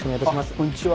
こんにちは。